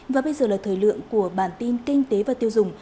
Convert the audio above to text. và bây giờ là thời lượng của bản tin kinh tế và tiêu dùng